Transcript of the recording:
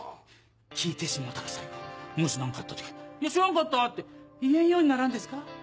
聞いてしもうたら最後もし何かあった時「いや知らんかった」って言えんようにならんですか？